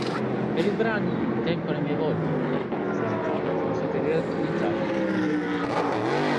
Per i brani "Tempo alle mie voglie" e "Curiosità" sono stati realizzati i videoclip.